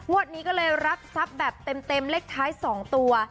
วันนี้ก็เลยรับทรัพย์แบบเต็มเลขท้าย๒ตัว